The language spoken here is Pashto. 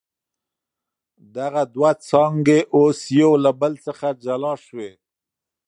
دغه دوه څانګي اوس يو له بل څخه جلا سوې.